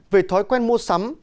về thói quen mua sắm